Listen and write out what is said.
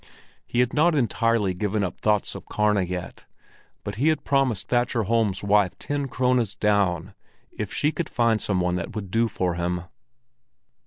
He had not entirely given up thoughts of Karna yet, but he had promised Thatcher Holm's wife ten krones down if she could find some one that would do for him.